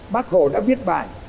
bắc hồ đã viết bài